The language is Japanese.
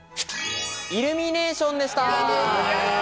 「イルミネーション」でした。